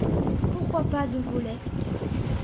Pourquoi pas de volets ?